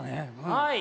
はい。